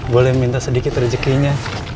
boleh minta sedikit rezekinya